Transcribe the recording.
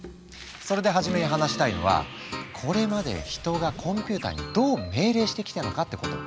それで初めに話したいのはこれまで人がコンピューターにどう命令してきたのかってこと。